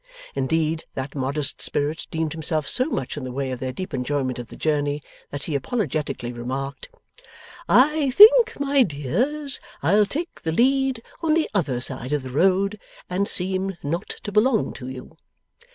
Indeed, that modest spirit deemed himself so much in the way of their deep enjoyment of the journey, that he apologetically remarked: 'I think, my dears, I'll take the lead on the other side of the road, and seem not to belong to you.